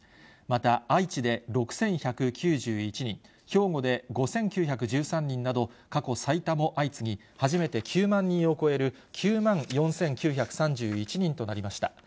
また愛知で６１９１人、兵庫で５９１３人など、過去最多も相次ぎ、初めて９万人を超える、９万４９３１人となりました。